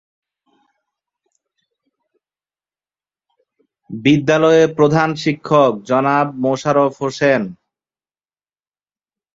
বিদ্যালয়ের প্রধান শিক্ষক জনাব মোহাম্মদ মোশাররফ হোসেন।